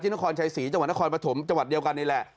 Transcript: นครชัยศรีจังหวัดนครปฐมจังหวัดเดียวกันนี่แหละ